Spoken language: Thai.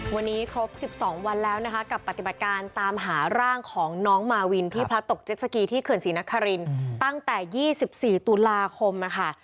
วันนี้ครบ๑๒วันแล้วนะคะกับปฏิบัติการตามหาร่างของน้องมาวินที่พระตกเจ็ดสกีที่เขื่อนศรีนครินตั้งแต่๒๔ตุลาคมนะคะ